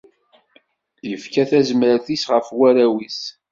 Yefka tazmert-is ɣef warraw-is.